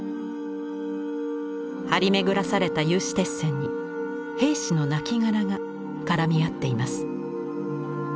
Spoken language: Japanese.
張り巡らされた有刺鉄線に兵士のなきがらが絡み合っています。